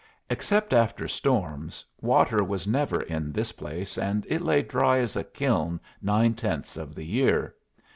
Except after storms, water was never in this place, and it lay dry as a kiln nine tenths of the year.